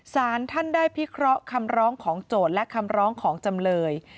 สารท่านได้พิเคราะห์คำร้องของโจทย์และคำร้องของจำเลย